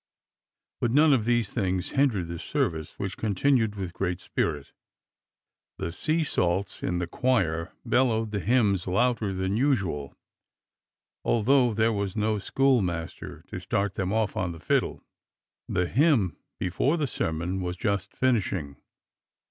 But none of these things hindered the service, which continued with great spirit. The sea salts in the choir bellowed the hymns louder than usual, although there was no schoolmaster to start them off on the fiddle. The hymn before the sermon was just finishing.